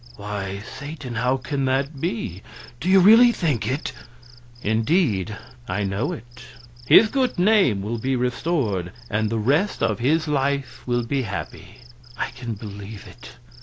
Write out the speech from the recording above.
"Why, Satan, how can that be? Do you really think it?" "Indeed, I know it. His good name will be restored, and the rest of his life will be happy." "I can believe it.